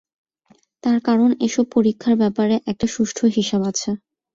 তার কারণ এসব পরীক্ষার ব্যাপারে একটা সুষ্ঠু হিসাব আছে।